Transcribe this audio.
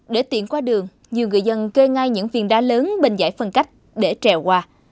để tiện qua đường nhiều người dân kê ngay những phiền đá lớn bên giải phân cách để trèo qua